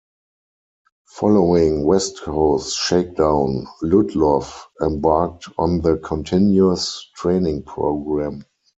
Following west coast shakedown, "Ludlow" embarked on the continuous training program.